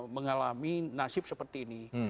mengalami nasib seperti ini